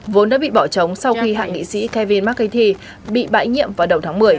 vốn đã bị bỏ trống sau khi hạ nghị sĩ kevin mccarthy bị bãi nhiệm vào đầu tháng một mươi